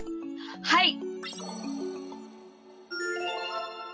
はい！